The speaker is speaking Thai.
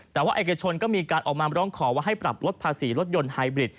แต่ว่าเอกชนก็มีการออกมาร้องขอว่าให้ปรับลดภาษีรถยนต์ไฮบริด